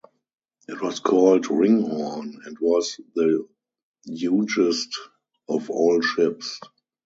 It was called Ringhorn, and was the hugest of all ships.